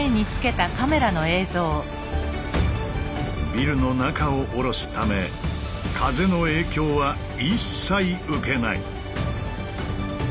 ビルの中を下ろすため風の影響は一切受けない。